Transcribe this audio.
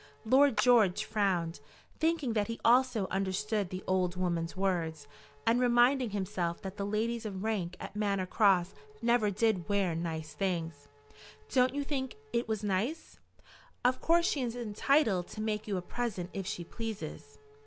Lord George frowned, thinking that he also understood the old woman's words, and reminding himself that the ladies of rank at Manor Cross never did wear nice things. "Don't you think it was nice?" "Of course she is entitled to make you a present if she pleases."